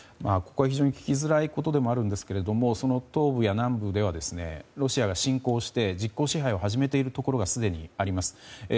ここは非常に聞きづらいことでもあるんですけれども東部や南部ではロシアが侵攻して実効支配を始めているところがすでにあります。